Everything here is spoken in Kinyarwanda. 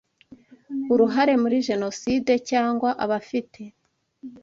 uruhare muri Jenoside cyangwa abafite